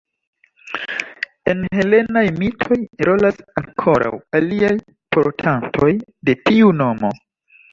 En helenaj mitoj rolas ankoraŭ aliaj portantoj de tiu nomo.